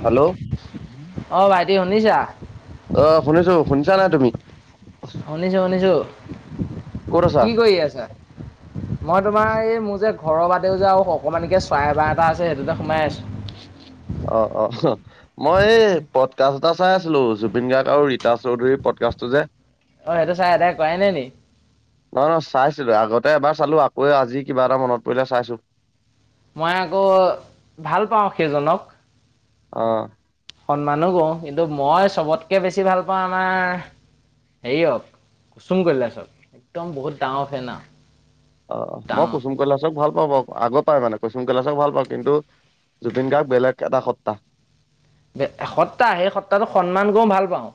Hello অ ভাইটি শুনিছা অ শুনিছো শুনিছা নাই তুমি অ শুনিছো শুনিছো ক'ত আছা কি কৰি আছা মই তোমাৰ এই ম যে ঘৰৰ বাদেও যাওঁ অকণমান একৈ চৰাই বা এটা আছে সেইটোতে সোমাই আছোঁ অ অ মই এই পটকাছ এটা চাই আছিলো জুবিন গাৰ্গ আৰু ৰীতা চৌধুৰীৰ আছ্ত যে অ সেইটো চাই এটাই কৰাই নাই নি নহয় নহয় চাইছিলো আগতে এবাৰ চালো আকৌ আজি কিবা এটা মনত পৰিলে চাইছো মই আকৌ ভাল পাওঁ সেইজনক অ সন্মানো কৰো কিন্তু মই চবতকে বেছি ভাল পাওঁ আমাৰ হেৰি হক কুচুম কৈলাচক একদম বহুত ডাঙৰ ফেন অ মই ডাঙৰ কুচুম কৈলাসক চক ভাল পাওঁ আগত পাই মানে কৈচুম কৈলাচক ভাল পাওঁ কিন্তু জুবিন গাৰ্গ বেলেগ এটা সত্তা এসত্তাহ সেই সত্তাটো সন্মান কৰো ভাল পাওঁ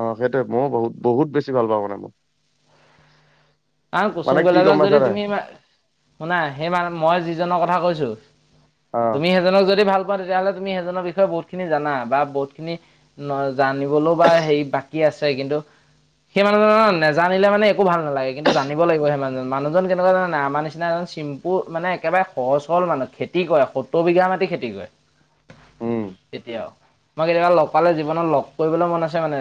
আহ সেইটোৱে মই বহুত বহুত বেছি ভাল পাওঁ মানে মই ন কুচুম মানে কি গম কৈলাসক পাইছা যদি নাই তুমি শুনা সেই মান মই যিজনৰ কথা কৈছো অ তুমি সেইজনক যদি ভাল তেতিয়াহলে তুমি সেইজনৰ বিষয়ে বহুত খিনি জানা বা বহুখিনি জানিবলৈও বা হেৰি বাকী আছে কিন্তু সেই মানুহজনৰ নেজানিলে মানে একো ভাল নালাগে কিন্তু জানিব লাগিব সেই মানজন মানুহজন কেনেকুৱা জান নাই আমাৰ নিচিনা এজন চিম্পুল মানে একেবাৰে সহজল মানুহ খেতি খেতি কৰে সত্তৰ বিঘা মাটি খেতি কৰে উম এতিয়াও মই কেতিয়াবা লগ পালে জীৱনত লগ কৰিবলৈ মন আছে মানে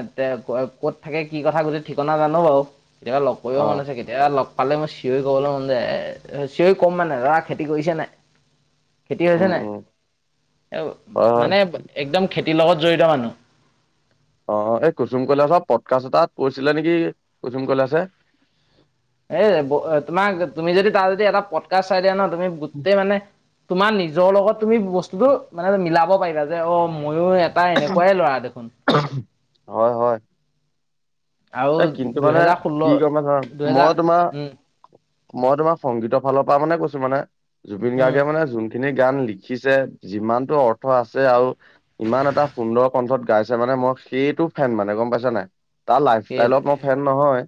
ক'ত থাকে কি কথা গোটেই ঠিকনা জানো বাৰু কেতিয়াবা লগ কৰিব অ মানে এ লগ পালে মই চিঞৰি কবলৈ মন যায় এ চিঞৰি ক'ম মানে দৰা খেতি কৰিছে নাই খেতি উম হৈছে নে উম হয় হয় মানে একদম খেতি লগত জড়িত মানুহ অ এই কুচুম কৈলাসৰ পটকাছ এটাত পৰিছিলে নেকি কুচুম কৈলাস এ তোমাক তুমি যদি তাৰ যদি এটা পটকা চাই দিয়া ন তুমি গোটেই মানে তোমাৰ নিজৰ লগত তুমি বস্তুতটো মানে মিলাব পাৰিবা যে অ ময়ো এটা এনেকুৱাই ল'ৰা দেখোন হয় হয় আৰু এ কিন্তু মানে দুহেজাৰ ষোল্ল কি কমে চ মই দুহেজাৰ তোমাৰ উম মই তোমাৰ সংগীতৰ ফালৰ পৰা মানে কৈছো মানে জুবিন উম গাৰ্গে মানে যোনখিনি গান লিখিছে যিমানতটো অৰ্থ আছে আৰু ইমান এটা সুন্দৰ কণ্ঠত গাইছে মানে মই সেইটো ফেন মানে গম পাইছা নাই তাল তাই লগত মই ফেন নহয়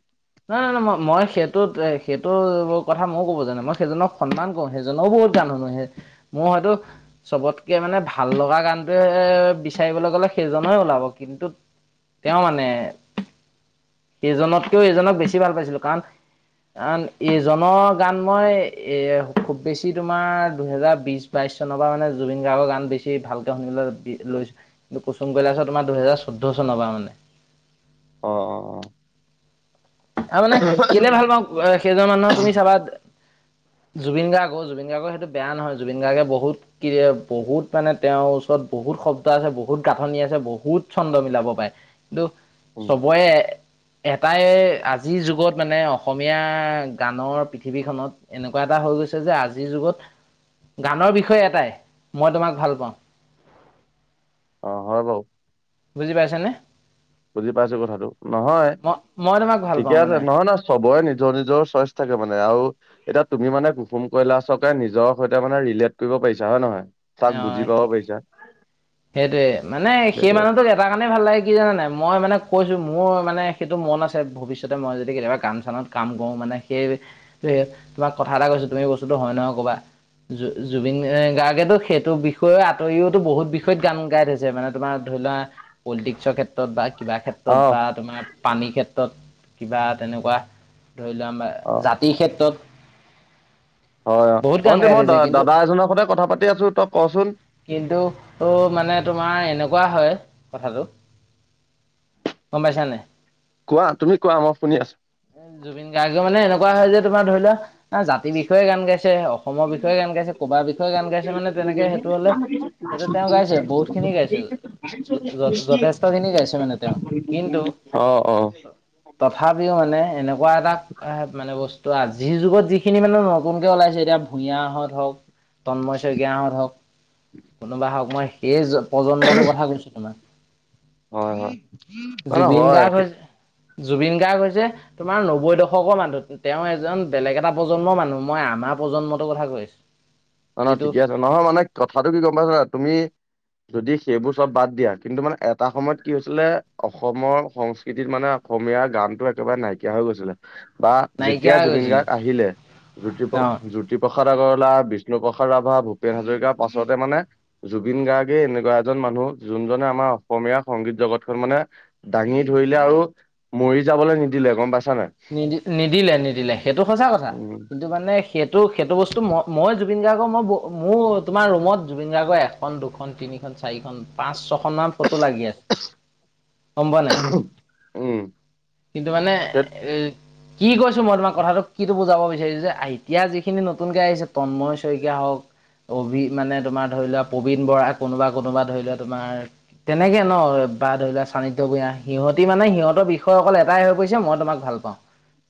নাই নাই নাই মই মই সেইটোত সেইটো কথা ময় ক'ব জানো মই সেইজনক সন্মান কৰো সেইজনক বহুত গানে মোৰ হয়তো চবতকে মানে ভাল লগা গানটোৱে এ বিচাৰিবলৈ গ'লে সেইজই ওলাব কিন্তু তেওঁ মানে সেইজনতকেও এইজনক বেছি ভাল পাইছিলো কাণ আ এইজনৰ গান মই এ খুব বেছি তোমাৰ দুহেজাৰ বিশ বাই চনৰ মানে জুবিন গাৰ্গ গানেছি ভালকে শুনলৈ বি লৈচো কিন্তু কুসুম কৈলাছ তোমাৰ দুহেজাৰ চৈধ্য চনবা মানে অ অ অ আৰু মানে কেলে ভাল পাওঁ সেইজন মানুহৰ তুমি চাবা জুবিন গাৰ্গ জুবিন গাৰ্গ সেইটো বেয়া নহয় জুবিন গাৰ্গে বহুত কি বহুত মানে তেওঁ তত বহুত শব্দ আছে, বহুত গাঁথনি আছে, বহুত ছন্দ মিলাব পাৰে, কিন্তু উম চবৰে এটাই আজিৰ যুগত মানে অসমীয়া গানৰ পৃথিৱীখনত এনেকুৱা এটা হৈ গৈছে যে আজিৰ যুগত গানৰ বিষয়ে এটাই, মই তোমাক ভাল পাওঁ। অহ' হয় বাৰু। বুজি পাইছা নে। বুজি পাইছো কথাটো। নহয় মই তোমাক ভাল ঠিকে পাওঁ আছে, মানে নহয় নহয় চবৰে নিজৰ নিজৰ চইচ থাকে মানে আৰু এতিয়া তুমি মানে কুসুম কৈলাশকে নিজৰ সৈতে মানে ৰিলেট কৰিব পাৰিছা হয় নহয়। তাক বুজি অহ' পাব পাৰিছা সেইটোৱে মানে সেই সেইটো কথা মানুহটোক এট কাৰণে ভাল লাগে কি জানা নাই। মই মানে কৈছো মোৰ মানে সেইটো মন আছে ভৱিষ্যতে মই যদি কেতিয়াবা কাম চানত কাম কৰো। মানে সেই তোমাক কথা এটা কৈছো তুমি বস্তুতটো হয় নহ ক'বা। জুবিন গাৰ্গেতো সেইটো বিষয়ে আঁতৰিওতো বহুত বিষয়ত গান গাই থৈছে, মানে তোমাৰ ধৰি লোৱা পলিটিক্সৰ ক্ষেত্ৰত ত'ত বা কিবা ক্ষেত্ৰত অ বা তোমাৰ পানীৰ ক্ষেত্ৰত কিবা তেনেকুৱা ধৰি লোৱা অ আমাৰ জাতিৰ ক্ষেত্ৰত। হয় অহ, বহুত গান ভন্তি গাই মই থৈছে কিন্তু দাদা এজনৰ সৈতে কথা পাতি আছো তই কচোন। কিন্তু মানে তোমাৰ এনেকুৱা হয় কথাটো। গম পাইছা নাই। কোৱা তুমি কোৱা। মই শুনি আছো। এ জুবিন গাৰ্গে মানে এনেকুৱা হয় যে তোমাৰ ধৰিলোৱা। না জাতিৰ বিষয়ে গান গাইছে অসমৰ বিষয়ে গান গাইছে কবাৰ বিষয়ে গান গাইছে মানে তেনেকে সেইটো হ'লে সেইটো তেওঁ গাইছে, বহুত খিনি গাইছে, যথেষ্ট খিনি গাইছে মানে তেওঁ। কিন্তু অহ', অহ'। তথাপিওঁ মানে এনেকুৱা এটা মানে বস্তু ত' আজিৰ যুগত যিখিনি মানে নতুনকে ওলাইছে এতিয়া ভূঞাহঁত হওঁক। তন্ময় শইকীয়ঁত হওঁক। কোনোবা হওঁক মই সেই প্ৰজন্মটোৰ কথা কৈছো তোমাৰ। হয়, হয়। মানে জুবিন হয়। গাৰ্গ হৈছে জুবিন গাৰ্গ হৈছে তোমাৰ নব্বৈ দশ ক্ষকৰ মানুহ তেওঁ এজন বেলেগ এটা প্ৰজন্মৰ মানুহ মই আমাৰ প্ৰজন্মটোৰ কথা কৈছো। অহ' নহয় ঠিকে আছে, নহয় মানে কথাটো কি গম পাইছা নে নাই তুমি [inaudible] যদি সেইবোৰ চব বাদ দিয়া, কিন্তু মানে এটা সময়ত কি হৈছিলে। অসমৰ সংস্কৃতিত মানে অসমীয়া এয়া গানতটো একেবাৰে নাইকিয়া হৈ গৈছিলে। বা যেতিয়া নাইকিয়া হৈ জুবিন গৈছিলে গাৰ্গ আহিলে জ্যোতি গাঁৱত জ্যোতিপ্ৰসাদে আগৰৱালা, বি বিষ্ণুপ্ৰসাদ ৰাভা ভূপেন হাজৰিকাৰ পাছতে মানে জুবিন গাৰ্গে এনেকুৱা এজন মানুহ যোনজনে আমাৰ অসমীয়া সংগীত জগত খন মানে দাঙি ধৰিলে আৰু মৰি যাবলৈ নিদিলে গম পাইছা নাই। নিদি নিদিলে নিদিলে সেইটো সঁচা কথা। উম কিন্তু মানে সেইটো সেইটো বস্তু মই জুবিন গাৰ্গ মই, মোৰ তোমাৰ ৰুমত জুবিন গাৰ্গ এখন দুখন তিনিখন চাৰিখন পাঁচ ছয়খন সমান ফটো লাগি আছে। গম পোৱা নাই। উম কিন্তু মানে সেই এ কি কৈছো মই তোমাৰ কথাটো, কিটো বুজাব বিচাৰিছো যে এতিয়া যিখিনি নতুনকে আহিছে তন্ময় শইকীয়া হওঁক। অভি মানে তোমাৰ ধৰি লোৱা, প্ৰবীন বৰা কোনোবা কোনোবা ধৰি লোৱা তোমাৰ, তেনেকে ন। বা ধৰি লোৱা চানি্ভূঞা সিহঁতি মানে সিহঁতৰ বিষয়ে অকল এটাই হৈ পৰিছে মই তোমাক ভাল পাওঁ।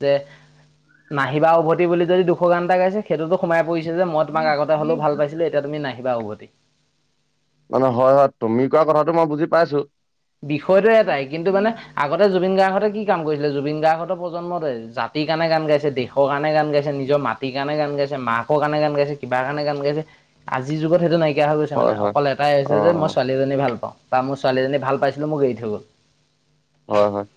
যে নাহিবা উভতি বুলি যদি দুশ গান এটা গাইছে সেইটোতো সোমাই পৰিছে যে মই তোমাক আগতে হ'লেও ভাল পাইছিলো এতিয়া তুমি নাহিবা উভতি। মানে হয়, হয়। তুমি কোৱা কথাটো মই বুজি পাইছোঁ। বিষয়টোয় এটাই কিন্তু মানে আগতে জুবিন গাৰ্গতে কি কাম কৰিছিলে জুবিন গাৰ্গতো প্ৰজন্মই জাতিৰ কাৰণে গান গাইছে দেশৰ কাৰণে গান গাইছে নিজৰ মাত ৰাতি কাৰণে গান গাইছে মাকৰ কাৰণে গান গাইছে কিবাৰ কাৰণে গান গাইছে আজিৰ যুগত সেইটো নাই। নাইকিয়া হৈ গৈছে মানে হয় হয় অকল এটাই হৈছে অ যে অ মই ছোৱালীজনী ভাল পাওঁ, বা মোৰ ছোৱালীজনী ভাল পাইছিলো মোক এৰি থৈ গ'ল। হয় হয়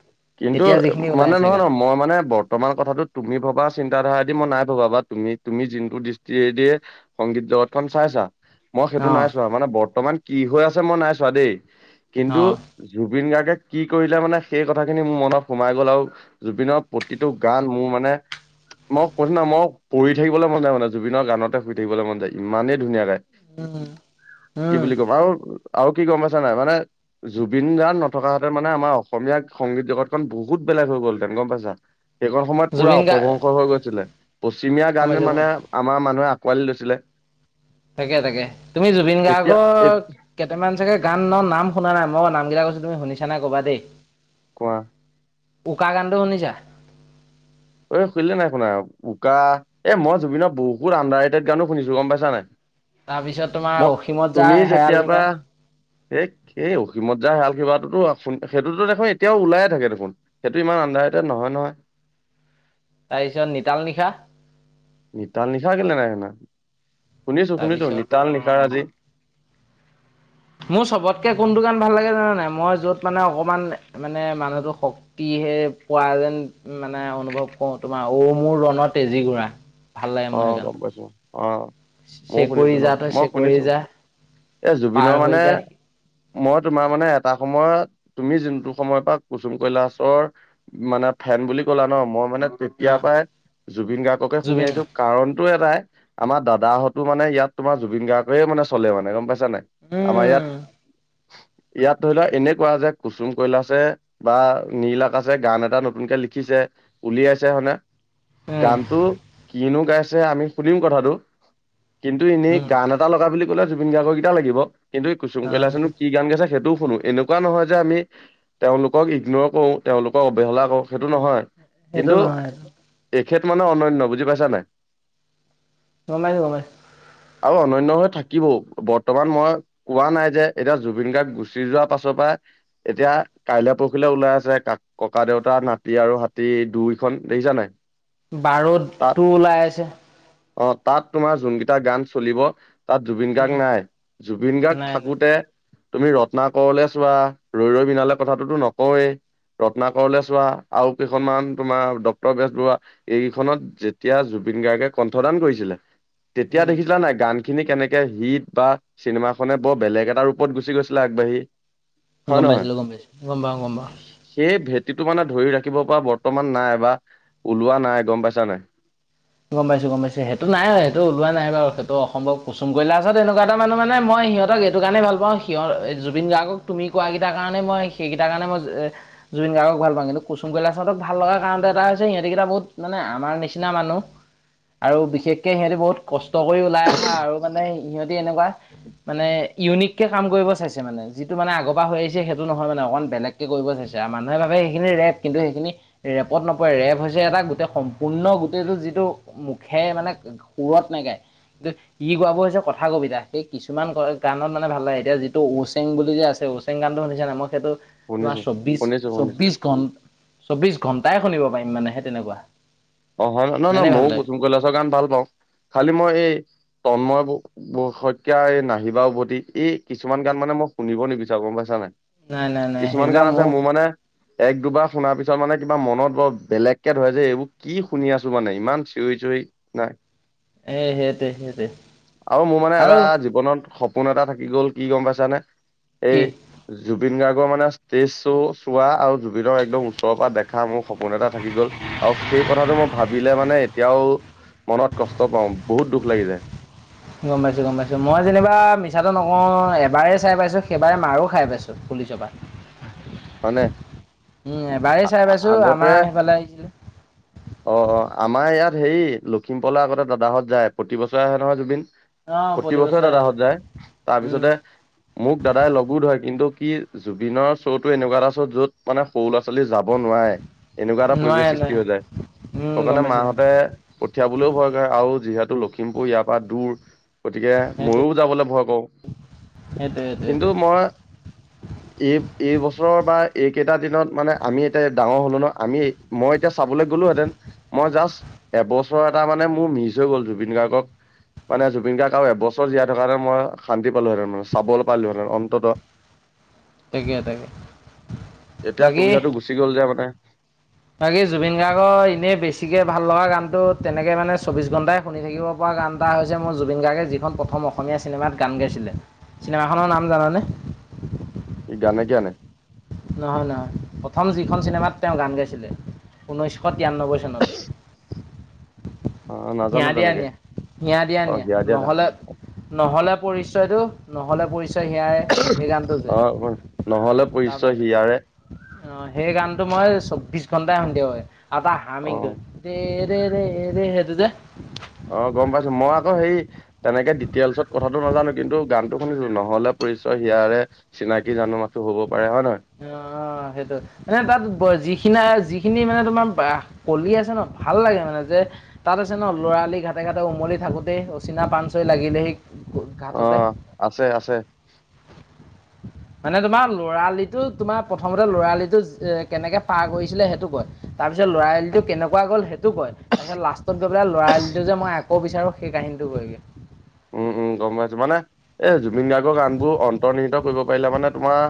কিন্তু এতিয়া যিখিনি ওলাই মানে আছে নহয়, গান নহয় মই মানে বৰ্তমান কথাটো তুমি ভবা চি- ন্তা ধাৰা দি মই নাই ভবা বা। তুমি, তুমি যোনটো দৃষ্টিৰে দিয়ে সংগীত জগতখন চাইছা মই সেইটো অ নাই চোৱা। মানে বৰ্তমান কি হৈ আছে মই নাই চোৱা দেই। কিন্তু অ জুবিন গাৰ্গে কি- কৰিলে মানে সেই কথা খিনি মোৰ মনত সোমাই গ'ল আৰু জুবিনৰ প্ৰতিটো গান মোৰ মানে মই কৈছো না মই পঢ়ি থাকিবলৈ মন যায় মানে জুবিনৰ গানতে শুই থাকিবলৈ মন যায় ইমানেই ধুনীয়া গাই। কি উম বুলি ক'ম আৰু আৰু কি গম পাইছা নাই? মানে জুবিন গাৰ নথকা হেঁতেন মানে আমাৰ অসমীয়া সংগীত জগতখন বহুত বেলেগ হৈ গ'ল হেঁতেন। গম পাইছা? সেইখন সময়ত পুৰা জুবিন গাৰ্গ অপভংস হৈ গৈছিলে। পশ্চিমীয়া গম গান পাইছো গম মানে পাইছো আমাৰ মানুহে আ- কোৱালি লৈছিলে। তাকে তাকে, তুমি জুবিন এতিয়া এ গাৰ্গৰ কেইটামান চাগে গান ন নাম শুনা নাই মই নাম কৈছ তুমি শুনিছা নাই ক'বা দেই। কোৱা উকা গানটো শুনিছা? অহ 'শুনিলে নাই শুনা উকা এ মই জুবিনৰ বহুত আণ্ডাৰৰেটেড গানো শুনিছো গম পাইছা নাই? তাৰপিছত তোমাৰ মই অসীমত তুমি যাৰ হেৰাল যেতিয়াবা সীমা হে, সেই অসীমত যাৰ শালখিবাটোতো সেইটো দেখোন এতিয়াও ওলাইে থাকে দেখোন সেইটো ইমান আণ্ডাৰৰেটেড নহয় ন'। পিছত নিতাল নিশা? নিতাল নিশা কেলে নাই শুনা। শুনিছো শুনিছো তাৰপিছত নিতাল নিশা আজি মোৰ চবতকে কোনটো গান ভাল লাগে জানে নাই? মই যত মানে অকমান মানে মানুহতো শক্তিহে পোৱা যেন মানে অনুভৱ কৰোঁ তোমাৰ অ'মোৰ ৰণৰ তেজী ঘোৰা। অ' গম পাইছো। অ' মইও চেকুৰি শুনিছো ন। যা তই মই চেকুৰি শুনিছো যা এ পাৰ জুবিনৰ হৈ মানে যা মই তোমাৰ মানে এটা সময়ত তুমি যোনটো সময়ৰ পৰা কুচুম কৈলাশৰ মানে ফেন বুলি কলা ন'? মই মানে তেতিয়াৰ অ পৰাই জুবিন গাৰ্গকে শুনি জুবিন আহিছো টো এটাই আমাৰ দাদাহঁতো মানে ইয়াত তোমাৰ জুবিন গাৰ্গে মানে চলে মানে গম পাই ছা নাই? আমাৰ ইয়াত উম ইয়াত ধৰিলোৱা এনেকুৱা যে কুচুম কৈলাছে বা নীল আকাছে গান এটা নতুনকে লিখিছে উলিয়াইছে হনে উম গানটো কিনো গাইছে আমি শুনিম কথাটো কিন্তু এনেই উম গান এটা লগা বুলি ক'লে জুবিন গাৰ্গৰকেইটা লাগিব কিন্তু কুম অ কৈলাসেনো সেইটো কি গান গাইছে সেইটো শুনো। এনেকুৱা নহয় যে আমি তেওঁলোকক ইগনৰ কৰো, তেওঁলোকক অৱহেলা কৰো সেইটো নহয় সেইটো কিন্তু নহয় সেইটো এখেত মানে অনন্য বুজি পাইছা নাই? গম পাইছো, গম পাই- অ অনন্য হৈ থাকিবও। বৰ্তমান মই কোৱা নাই যে এতিয়া জুবিন গাৰ্গ গুচি যোৱাৰ পাছৰ পৰাই এতিয়া কাইলে পৰখিলে ওলাই আছে কা ককা দেউতা নাতি আৰু হাতী দুইখন। দেখিছা- নাই? বাৰুদ তাত টু ওলাই আছে। অ 'তাত তোমাৰ যোনকেইটা গান চলিব তাত জুবিন গাৰ্গ উম নাই। জুবিন গাৰ্গ নাই নাই থাকোতে তুমি ৰত্না কৰলে চোৱা। ৰৈ ৰৈ বিনালে কথাটোতো নকওয়ে ৰত্না কৰলে চোৱা আৰু কেইখনমান তোমাৰ ডক্তৰ বেজবৰুৱা এইকেইখনত যে- তিয়া জুবিন গাৰ্গে কণ্ঠদান কৰিছিলে। তেতিয়া উম দেখিছিলা নাই গানখিনি কেনে- হিট বা চিনেমাখনে বৰ বেলেগ এটা ৰূপত গুচি গৈছিলে আগবাঢ়ি। হয় গম নহয় পাইছিলোঁ, গম পাইছোঁ। গম পাওঁ, গম পাওঁ। তিটো মানে ধৰি ৰাখিব পৰা বৰ্তমান নাই বা ওলোৱা নাই গম পাইছা নাই? গম পাইছো গম পাইছো সেইটো নাই সেইটো ওলোৱা নাইবাৰু সেইটো অসম্ভৱ। কুম কৈলাসত এনেকুৱা এটা মানহ মানে মই সিহঁতক এইটো কাৰণে ভাল পাওঁ। সিহঁ জুবিন গাৰ্গক তুমি কোৱা কেইটা কাৰণে মই সেইকেইটাৰ কাৰণে মই জুবিন গাৰ্গক ভাল পাওঁ কিন্তু মই কলাঁত ভাল লগ কাৰণ এটা হৈছে সিহঁতকেইটা বহুত মানে আমাৰ নিচিনা মানুহ। আৰু বিশেষকে সিহঁতি বহুত কষ্ট কৰি ওলাই আহা আৰু মানে সিহঁতি এনেকুৱা। মানে ইউনিক কে কাম কৰিব চাইছে মানে যিটো মানে আগবাহ হৈ আহিছে সেইটো নহয় মানে অকন বেলেগকে কৰিব চাইছে মানুহে ভাবে সেইখিনি ৰেপ। কিন্তু সেইখিনি ৰেপত নপৰে ৰেপ হৈছে এটা গোটেই সম্পূৰ্ণ গোটেইটো যিটো। মুখে মানে সুৰত নে গায়। ই গোৱাব হৈছে কথা কবিতা সেই কিছুমান গানত মানে ভাল লাগে এতিয়া যিটো ওচেং বুলি যে আছে। হোচেং গানটো শুনিছানে নাই মই সেটো তোমাৰ শুনিছো চৌশ শুনিছো শুনিছো চৌবিশ ঘ চৌবিশ ঘন্টা এটাই শুনিব পাৰিম মানে সেই তেনেকুৱা। অ হয় ন নহয় নহ ইমানেই ভাল ময়ও লাগে কুসুম কৈলাশৰ গান ভাল পাওঁ। খালি মই এই তন্ময় শইকীয়া এই নাহিবা উভতি এই কিছুমান গান মানে মই শুনিব নিবিচাৰো গম পাইছা নাই নাই নাই নাই কিছুমান সেইবিলাক কাৰণ আছে মোৰ মানে এক দুবাৰ শুনাৰ পিছত মানে কিবা মনত বৰ বেলেগকে ধৰে যে এইবোৰ কি শুনি আছো মানে ইমান চিঞৰি চিঞৰি নাই। এ সেইটোৱে সেইটোৱে আৰু মোৰ মানে এটা আৰু জীৱনত স সপোন এটা থাকি গ'ল কি গম পাইছানে কি এই জুবিন গাৰ্গ। মানে ষ্টেজ শ্ব' চোৱা আৰু জুবিনৰ একদম ওচৰৰ পৰা দেখা মোৰ সপোন এটা থাকি গ'ল আৰু সেই কথাটো মই ভাবিলে মানে এতিয়াও মনত কষ্ট পাওঁ। বহুত দুখ লাগি যায়। গম পাইছো গম পাইছো। মই যেনিবা মিছাটো নকওঁ এবাৰে চাই পাইছো, সেইবাৰে মাৰো খাই পাইছো। পুলিচ পৰা হয়নে উম, এবাৰেই চাই পাইছো আমাৰ আগতে সেইফালে। অ' অ' আমাৰ ইয়াত হেৰি লখিমপুৰলৈ আগতে দাদাহঁত যায় প্ৰতি বছৰে আহে নহয় জুবিন। অ প্ৰতি বছৰে দাদা আহে হত যে যায় তাৰ উম পিছতে মোক দাদাই লগো ধৰে কিন্তু। কি জুবিনৰ শ্ব' টো এনেকুৱা এটা চ' য'ত মানে সৰু ল'ৰা- লৰা ছোৱালী যাব নোৱাৰে এনেকুৱা এটা পৰিৱেশ নোৱাৰে সৃষ্টি নোৱাৰে হৈ যায়। উম গম সেকাৰণে পাইছো গম পাইছো মাহঁতে পঠিয়াবলৈও ভয় কৰে, আৰু যিহেতু লখিমপুৰ ইয়াৰ পৰা দূৰ। গতিকে সেইটোৱে ময়ো যাবলৈ ভয় কৰো। সেইটোৱে সেইটোৱে কিন্তু সেইটোৱে মই এই। এই বা এইকেইটা দিনত মানে আমি এতিয়া ডাঙৰ হলো ন আমি মই এতিয়া চাবলৈ গ'লো হেতেন ম। মই জাষ্ট এবছৰ এটা মানে মোৰ মিচ হৈ গ'ল জুবিন গাৰ্গক। মানে জুবিন গাৰ্গ এবছৰ জীয়াই থকাৰ মই শান্তি পালোহেতেন মানে চাবল পালোহেতেন অন্ততঃ। তাকে তাকে এতিয়া বাকী। সুবিধাটো গুচি গ'ল যে মানে বাকী জুবিন গাৰ্গৰ এনেই বেছিকে ভাল লগা গানতো তেনেকে মানে চৌবিশ ঘন্টাই শুনি থাকিব পৰা। গান এটা হৈছে মোৰ জুবিন গাৰ্গে যিখন প্ৰথম অসমীয়া চিনেমাত গান গাইছিলে চিনেমাখনৰ নাম জাননে। [unintelligible] কি জানে জিয়ঞনে। নহয় নহয় প্ৰথম যিখন চিনেমাত তেওঁ গান গাইছিলে ঊনৈছশ- তিৰান্নব্বৈ চনত। অ হিয়া নাজানো দিয়া তেনেকে নিয়া হিয়া দিয়া অ নিয়া হিয়া দিয়া নাই নহ'লে নহ'লে- পৰিচয়তটো নহ'লে পৰিচয়। হিয়াই সেই গানটো যে অ নহলে তাৰপা পৰিচয় হিয়াৰে অ সেই গানটো মই চৌবিশ ঘণ্টাই সুনি থাকিব পাৰিম আৰু টা অ হাৰ্মিংটো। ৰেৰেৰে ত যে' অ গম পাইছো মই আকৌ হেই তেনেকে ডিটেইলছত কথাটো নাজানো কিন্তু গানটো শুনিছো নহ'লে। পৰিচয় হিয়য়াৰে চিনাকি জানো মাথো হ'ব। পাৰে হয় অ নহয় সেইটো এ তাত যি খিনি যিখিনি মানে তোমাৰ কলি আছে ন ভাল লাগে মানে যে তাত আছে ন লৰালি ঘাাটতে- তেখেততে উমলি থাকোঁতে অচিনা পাণচৈ লাগিলেহি। অ ঘাটতে আছে আছে। মানে তোমাৰ ল'ৰালি। টো তোমাৰ প্ৰথমতে ল'ৰালি টো এ কেনেকে পাৰ কৰিছিলে সেইটো কয় তাৰ পিছ লৰালি টো কেনেকুৱা গ'ল স কয় তাৰপিছত লাষ্টত গৈ পেলাই লৰালিটো যে মই আকৌ বিচাৰো সেই কাহিনীটো কয় গে উম উম গম পাইছো মানে এ জুবিন গাৰ্গৰ গানবোৰ অন্তৰ্ নিহিত কৰিব পাৰিলা মানে তোমাৰ